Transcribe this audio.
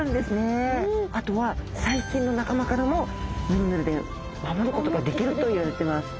あとは細菌の仲間からもヌルヌルで守ることができるといわれてます。